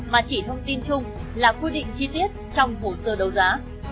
mà chỉ thông tin chung là quy định chi tiết trong hồ sơ đấu giá